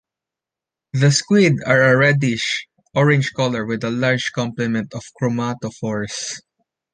The squid are a reddish orange colour with a large complement of chromatophores.